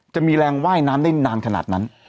จะมีแรงว่ายน้ำได้นานขนาดนั้น